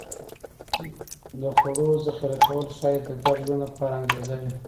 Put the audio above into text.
د خوړو ذخیره کول ښایي د ګډ ژوند لپاره انګېزه وي